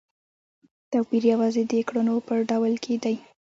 توپیر یوازې د کړنو په ډول کې دی.